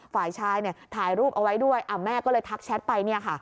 ฝ่ายชายถ่ายรูปเอาไว้ด้วยแม่ก็เลยทักแชทไป